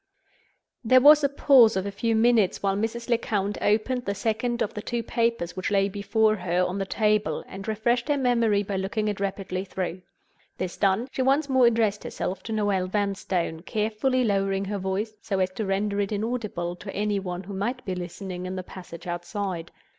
There was a pause of a few minutes while Mrs. Lecount opened the second of the two papers which lay before her on the table, and refreshed her memory by looking it rapidly through. This done, she once more addressed herself to Noel Vanstone, carefully lowering her voice, so as to render it inaudible to any one who might be listening in the passage outside.